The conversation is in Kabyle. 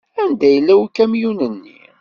Anda yella ukamyun-nni?